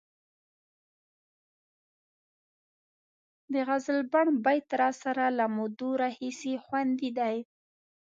د غزلبڼ بیت راسره له مودو راهیسې خوندي دی.